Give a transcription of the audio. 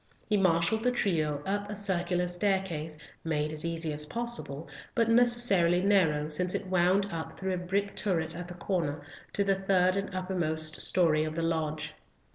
He marshalled the trio up a circular staircase, made as easy as possible, but necessarily narrow, since it wound up through a brick turret at the corner, to the third and uppermost story of the lodge.